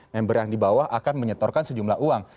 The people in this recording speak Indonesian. member yang di bawah akan menyetorkan sejumlah uang